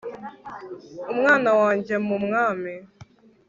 umwana wanjye mu mwami